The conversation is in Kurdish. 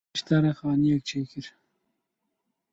Min ji te re xaniyek çêkir.